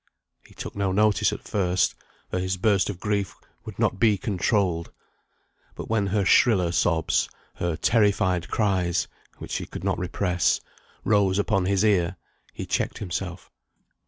He took no notice at first, for his burst of grief would not be controlled. But when her shriller sobs, her terrified cries (which she could not repress), rose upon his ear, he checked himself.